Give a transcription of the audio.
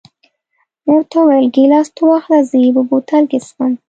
ما ورته وویل: ګیلاس ته واخله، زه یې په بوتل کې څښم.